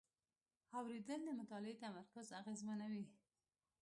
اورېدل د مطالعې تمرکز اغېزمنوي.